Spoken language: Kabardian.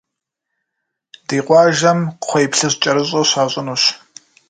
Ди къуажэм кхъуейплъыжькӏэрыщӏэ щащӏынущ.